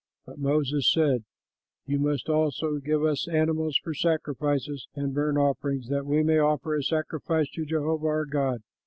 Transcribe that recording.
But Moses said, "You must also give us animals for sacrifices and burnt offerings, that we may offer a sacrifice to Jehovah our God.